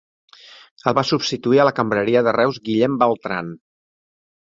El va substituir a la cambreria de Reus Guillem Beltran.